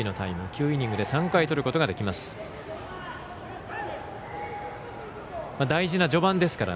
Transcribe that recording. ９イニングで３回とることができます。